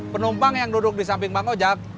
penumpang yang duduk di samping bang ojek